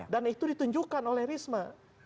dan itu ditunjukkan oleh risma